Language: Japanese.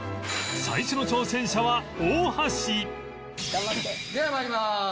最初の挑戦者は大橋では参ります。